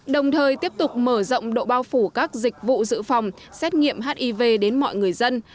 đồng thời tiếp tục mở rộng độ bao phủ các dịch vụ dự phòng xét nghiệm hiv đến mọi người dân